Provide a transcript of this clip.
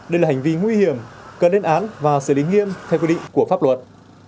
đây là hành vi nguy hiểm cần đến án và xử lý nghiêm theo quy định của pháp luật